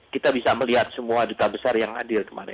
kita bisa melihat semua duta besar yang hadir kemarin